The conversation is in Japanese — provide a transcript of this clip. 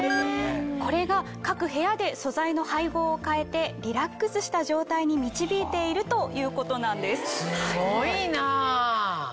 ・これが各部屋で素材の配合を変えてリラックスした状態に導いているということなんです・すごいな。